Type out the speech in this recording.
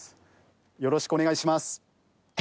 よろしくお願いします！